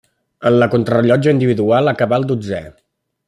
En la contrarellotge individual acabà el dotzè.